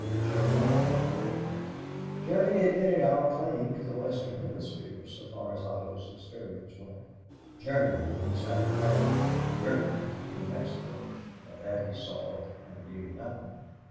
Germany had no thought of her. Germany admitted our claim to the Western Hemisphere so far as Otto's experience went. Germany in South America, Germany in Mexico of that he saw and knew nothing.